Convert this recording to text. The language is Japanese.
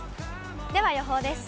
では予報です。